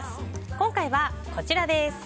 今回は、こちらです。